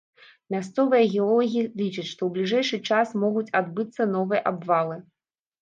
Мясцовыя геолагі лічаць, што ў бліжэйшы час могуць адбыцца новыя абвалы.